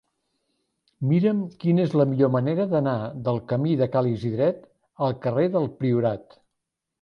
Mira'm quina és la millor manera d'anar del camí de Ca l'Isidret al carrer del Priorat.